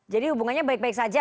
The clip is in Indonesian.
jadi hubungannya baik baik saja